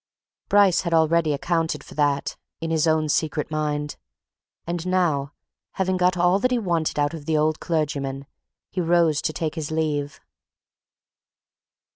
Bryce had already accounted for that, in his own secret mind. And now, having got all that he wanted out of the old clergyman, he rose to take his leave.